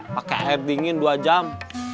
pakai air dingin dua jam